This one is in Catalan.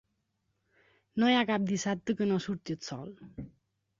No hi ha cap dissabte que no surti el sol.